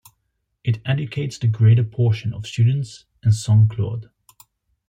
It educates the greater portion of students in Saint Claude.